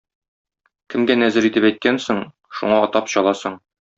Кемгә нәзер итеп әйткәнсең, шуңа атап чаласың.